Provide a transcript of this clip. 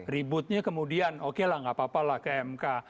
ributnya kemudian oke lah nggak apa apa lah ke mk